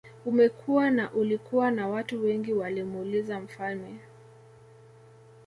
Umekua na ulikuwa na watu wengi walimuuliza mfalme